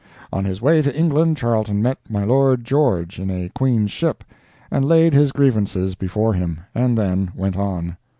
On his way to England Charlton met my Lord George in a Queen's ship, and laid his grievances before him, and then went on.